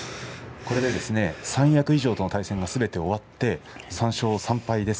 これで三役以上との対戦が全部終わって３勝３敗です。